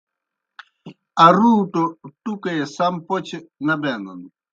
ارُوٹُوْ ٹُکے سم پوْچہ نہ بینَن۔